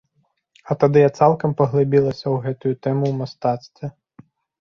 А тады я цалкам паглыбілася ў гэтую тэму ў мастацтве.